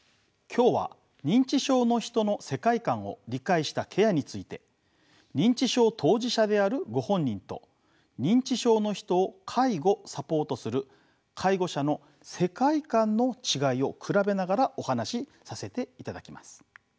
今日は認知症の人の世界観を理解したケアについて認知症当事者であるご本人と認知症の人を介護サポートする介護者の世界観の違いを比べながらお話しさせていただきます。